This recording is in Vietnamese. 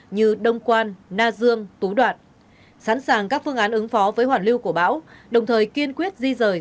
như đông quan na dương tú đoạn sẵn sàng các phương án ứng phó với hoàn lưu của bão đồng thời kiên quyết di rời